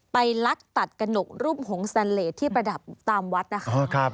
ลักตัดกระหนกรูปหงแซนเลสที่ประดับตามวัดนะคะ